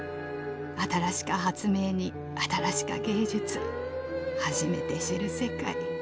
新しか発明に新しか芸術初めて知る世界。